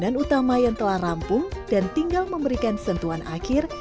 di mana ada dua ratus situs alam yang telah rampung dan tinggal memberikan sentuhan akhir